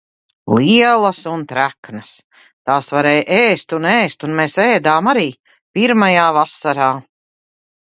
Lielas un treknas! Tās varēja ēst un ēst. Un mēs ēdām arī. Pirmajā vasarā.